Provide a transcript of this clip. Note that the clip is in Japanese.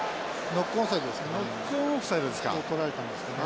ノックオンオフサイドですか。をとられたんですかね。